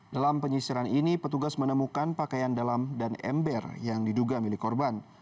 dalam penyisiran ini petugas menemukan pakaian dalam dan ember yang diduga milik korban